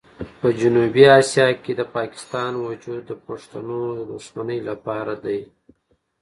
په جنوبي اسیا کې د پاکستان وجود د پښتنو د دښمنۍ لپاره دی.